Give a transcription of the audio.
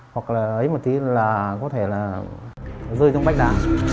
hoặc là ấy một tí là có thể là rơi trong bách đá